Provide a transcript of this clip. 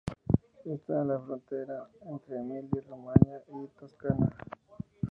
Está en la frontera entre Emilia-Romaña y Toscana.